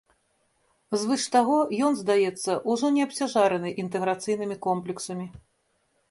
Звыш таго, ён, здаецца, ужо не абцяжараны інтэграцыйнымі комплексамі.